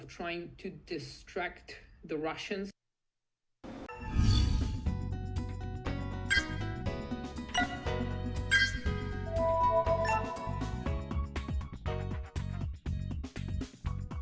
hãy đăng ký kênh để ủng hộ kênh của mình nhé